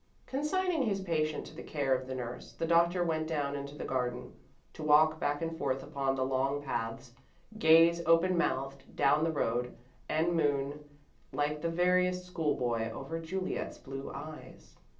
Consigning his patient to the care of the nurse, the Doctor went down into the garden, to walk back and forth upon the long paths, gaze, open mouthed, down the road, and moon, like the veriest schoolboy, over Juliet's blue eyes.